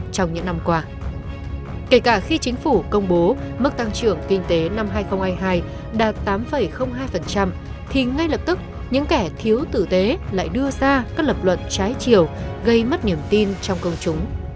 trong những năm qua kể cả khi chính phủ công bố mức tăng trưởng kinh tế năm hai nghìn hai mươi hai đạt tám hai thì ngay lập tức những kẻ thiếu tử tế lại đưa ra các lập luận trái chiều gây mất niềm tin trong công chúng